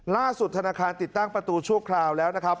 ธนาคารติดตั้งประตูชั่วคราวแล้วนะครับ